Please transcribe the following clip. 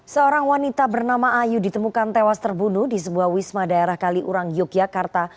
seorang wanita bernama ayu ditemukan tewas terbunuh di sebuah wisma daerah kaliurang yogyakarta